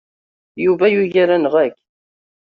Yuba yugar-aneɣ akk.